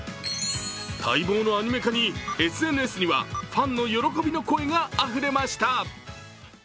待望のアニメ化にＳＮＳにはファンの喜びの声があふれました。